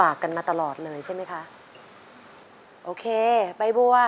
แล้วน้องใบบัวร้องได้หรือว่าร้องผิดครับ